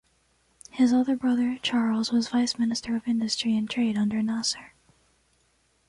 His other brother, Charles was vice-minister of industry and trade under Nasser.